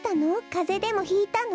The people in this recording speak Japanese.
かぜでもひいたの？